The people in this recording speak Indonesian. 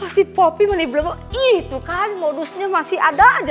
si popi menyebabkan itu kan modusnya masih ada aja